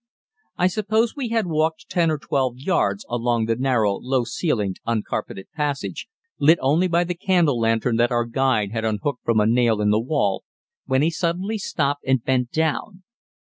I suppose we had walked ten or twelve yards along the narrow, low ceilinged, uncarpeted passage, lit only by the candle lantern that our guide had unhooked from a nail in the wall, when he suddenly stopped and bent down.